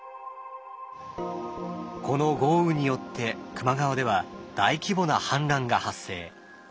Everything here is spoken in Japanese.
この豪雨によって球磨川では大規模な氾濫が発生。